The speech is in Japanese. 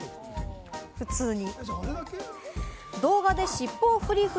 普通に。